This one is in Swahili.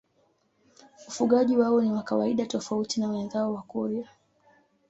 Ufugaji wao ni wa kawaida tofauti na wenzao Wakurya